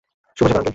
শুভ সকাল, আঙ্কেল।